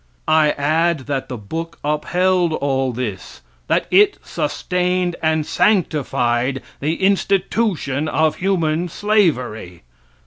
I add that the book upheld all this, that it sustained and sanctified the institution of human slavery.